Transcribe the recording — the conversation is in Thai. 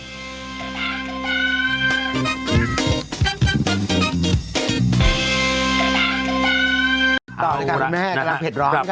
ต่อทางกลางกลางแผลตร้อนครับ